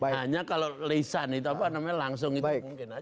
hanya kalau lisan itu apa namanya langsung itu mungkin saja